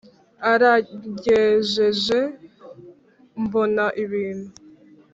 aragenjeje mbona ibintu